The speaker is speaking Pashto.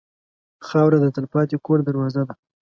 خاوره د تلپاتې کور دروازه ده.